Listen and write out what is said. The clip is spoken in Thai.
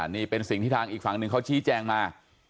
นี่เป็นสิ่งที่ทางอีกฝั่งหนึ่งเขาชี้แจงมา